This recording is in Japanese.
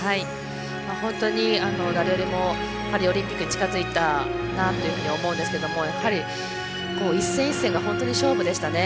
本当に誰よりもパリオリンピックに近づいたなというふうに思うんですけれども、やはり一戦一戦が本当に勝負でしたね。